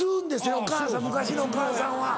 お母さん昔のお母さんは。